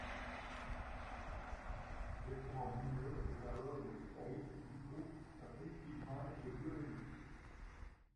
Bertrand Binet est alors le guitariste du groupe, Patrick Tillman le violoniste.